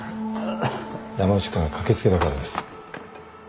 山内君が駆け付けたからです。